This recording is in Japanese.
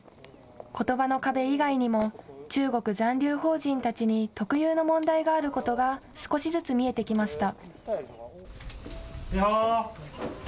ことばの壁以外にも中国残留邦人たちに特有の問題があることが少しずつ見えてきました。